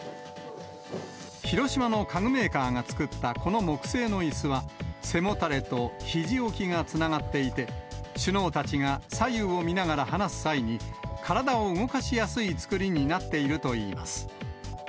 広島の家具メーカーが作ったこの木製のいすは、背もたれとひじ置きがつながっていて、首脳たちが左右を見ながら話す際に、体を動かしやすい作りになっているといいます。